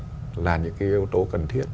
đó là những cái yếu tố cần thiết